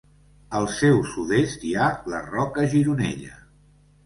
Al seu sud-est hi ha la Roca Gironella.